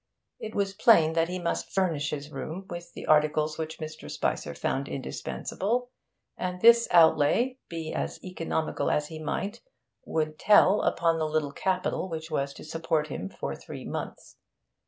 It was plain that he must furnish his room with the articles which Mr. Spicer found indispensable, and this outlay, be as economical as he might, would tell upon the little capital which was to support him for three months.